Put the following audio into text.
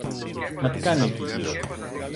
Μα τι κάνει εκεί γύρω του;